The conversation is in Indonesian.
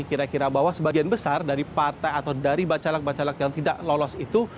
kira kira bahwa sebagian besar dari partai atau dari bacalak bacalek yang tidak lolos itu